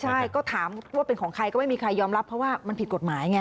ใช่ก็ถามว่าเป็นของใครก็ไม่มีใครยอมรับเพราะว่ามันผิดกฎหมายไง